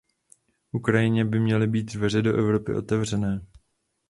Ukrajině by měly být dveře do Evropy otevřené.